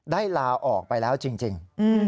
ลาออกไปแล้วจริง